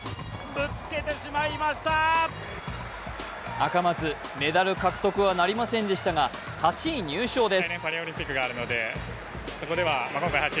赤松、メダル獲得はなりませんでしたが８位入賞です。